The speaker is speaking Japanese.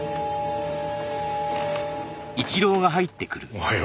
おはよう。